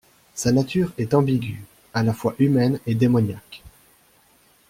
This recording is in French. Sa nature est ambiguë, à la fois humaine et démoniaque.